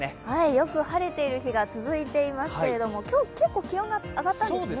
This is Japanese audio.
よく晴れている日が続いていますけれども今日、結構気温が上がったんですね